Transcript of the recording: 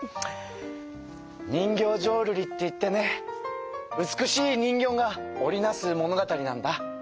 人形浄瑠璃っていってね美しい人形が織り成す物語なんだ。